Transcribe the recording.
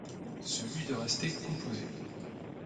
Celui de rester composée.